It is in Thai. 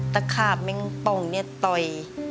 ตะขาบแมงป่องเนี่ยต่อย